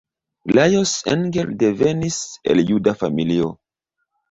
Lajos Engel devenis el juda familio.